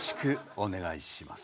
お願いします！